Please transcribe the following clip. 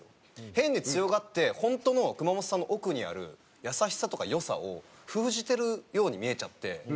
変に強がって本当の熊元さんの奥にある優しさとか良さを封じてるように見えちゃって。